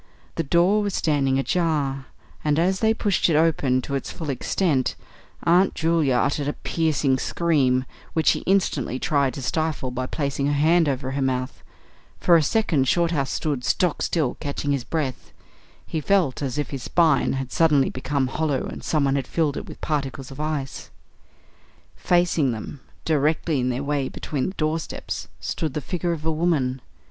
The door was standing ajar, and as they pushed it open to its full extent Aunt Julia uttered a piercing scream, which she instantly tried to stifle by placing her hand over her mouth. For a second Shorthouse stood stock still, catching his breath. He felt as if his spine had suddenly become hollow and someone had filled it with particles of ice. Facing them, directly in their way between the doorposts, stood the figure of a woman.